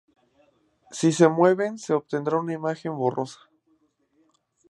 Si se mueven se obtendrá una imagen borrosa.